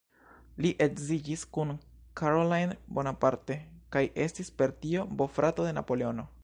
Li edziĝis kun Caroline Bonaparte kaj estis per tio bofrato de Napoleono.